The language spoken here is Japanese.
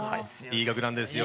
いい曲なんですよ。